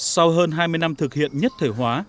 sau hơn hai mươi năm thực hiện nhất thể hóa